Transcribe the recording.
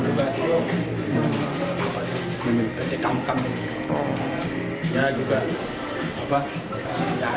sudah top up berapa